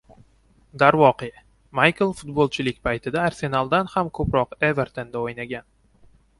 Darvoqe, Maykl futbolchilik paytida Arsenaldan ham ko‘proq Evertonda o‘ynagan.